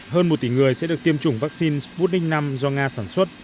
hơn một tỷ người sẽ được tiêm chủng vaccine sputnik v do nga sản xuất